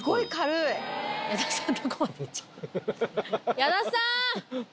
矢田さん。